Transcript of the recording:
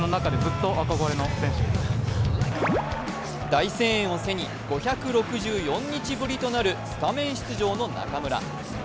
大声援を背に５６４日ぶりとなるスタメン出場の中村。